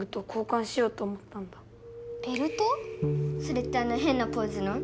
それってあのヘンなポーズの？